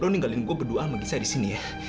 lo ninggalin gue berdua sama giza disini ya